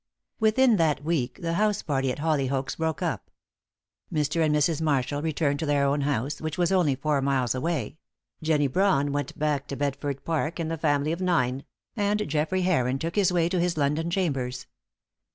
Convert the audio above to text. Within that week the house party at Hollyoaks broke up. Mr. and Mrs. Marshall returned to their own house, which was only four miles away; Jennie Brawn went back to Bedford park and the family of nine; and Geoffrey Heron took his way to his London Chambers.